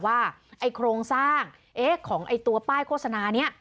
ว่าไอ้โครงสร้างของตัวป้ายโฆษณานี้